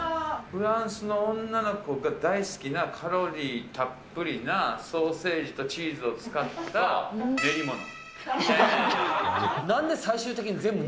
フランスの女の子が大好きなカロリーたっぷりなソーセージとチーズを使ったねりもの。